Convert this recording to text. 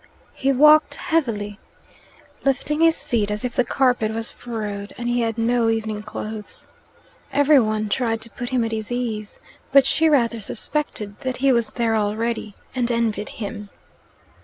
He walked heavily, lifting his feet as if the carpet was furrowed, and he had no evening clothes. Every one tried to put him at his ease, but she rather suspected that he was there already, and envied him.